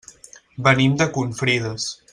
Venim de Confrides.